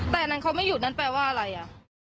แต่อันนั้นเขาไม่หยุดนั้นแปลว่าอะไรอ่ะ